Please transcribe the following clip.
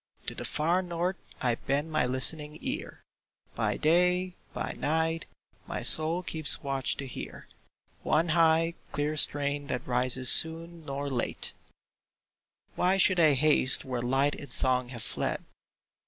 To the far North I bend my listening ear ; By day, by night, my soul keeps watch to hear One high, clear strain that rises soon nor late I " Why should I haste where light and song have fled